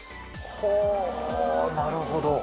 ほぉなるほど。